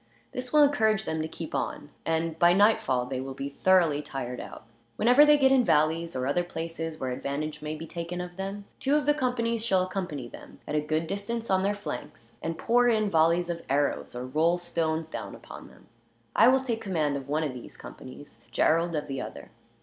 This will encourage them to keep on, and by nightfall they will be thoroughly tired out. "Whenever they get in valleys, or other places where advantage may be taken of them, two of the companies shall accompany them, at a good distance on their flanks; and pour in volleys of arrows, or roll stones down upon them. I will take command of one of these companies, Gerald of the other.